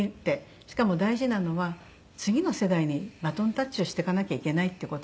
しかも大事なのは次の世代にバトンタッチをしていかなきゃいけないっていう事で。